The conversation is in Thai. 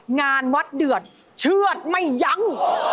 งานวัดเดือดเชื่อดไม่ยั้ง